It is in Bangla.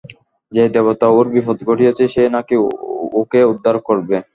যে-দেবতা ওর বিপদ ঘটিয়েছে সেই নাকি ওকে উদ্ধার করবে!